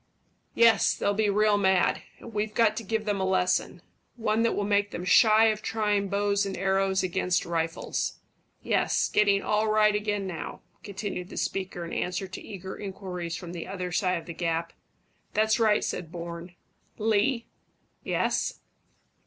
"Yes. They'll be real mad; and we've got to give them a lesson one that will make them shy of trying bows and arrows against rifles. Yes, getting all right again now," continued the speaker, in answer to eager inquiries from the other side of the gap. "That's right," said Bourne. "Lee." "Yes?"